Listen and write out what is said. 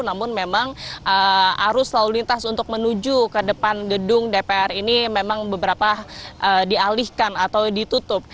namun memang arus lalu lintas untuk menuju ke depan gedung dpr ini memang beberapa dialihkan atau ditutup